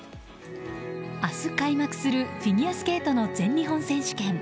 明日開幕するフィギュアスケートの全日本選手権。